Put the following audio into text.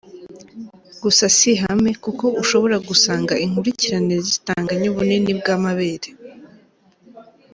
Gusa si ihame kuko ushobora gusanga inkurikirane zitanganya ubunini bw’amabere.